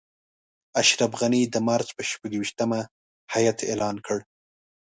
اشرف غني د مارچ پر شپږویشتمه هیات اعلان کړ.